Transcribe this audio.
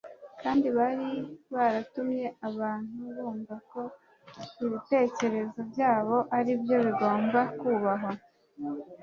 kandi bari baratumye abantu bumva ko ibitekerezo byabo aribyo bigomba kubahwa